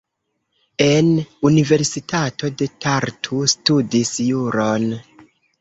En Universitato de Tartu studis juron.